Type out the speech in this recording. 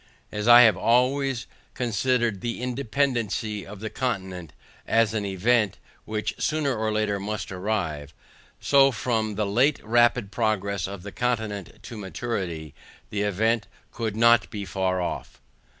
As I have always considered the independancy of this continent, as an event, which sooner or later must arrive, so from the late rapid progress of the continent to maturity, the event could not be far off.